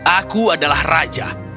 aku adalah raja